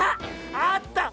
あった！